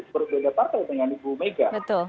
berbeda partai dengan ibu mega